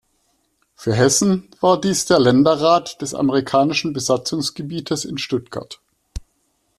Für Hessen war dies der Länderrat des amerikanischen Besatzungsgebietes in Stuttgart.